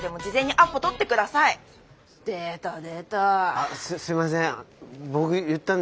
あすいません。